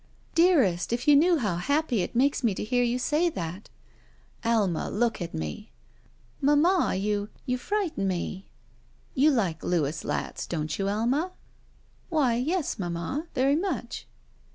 "Dearest, if you knew how happy it makes me to hear you say that." "Alma, look at me." *' Mamma, you — ^you frighten me." You like Louis Latz, don't you, Alma?" Why, yes, mamma. Very much."